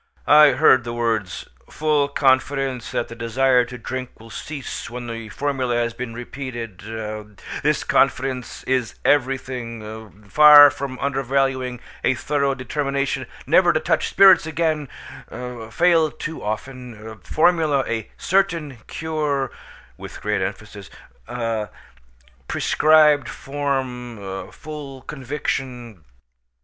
I heard the words "full confidence that the desire to drink will cease when the formula has been repeated this confidence is everything far from undervaluing a thorough determination never to touch spirits again fail too often formula a certain cure (with great emphasis) prescribed form full conviction."